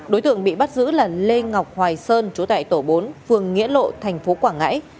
đối tượng bị bắt giữ là lê ngọc hoài sơn chú tại tổ bốn phường nghĩa lộ thành phố quảng ngãi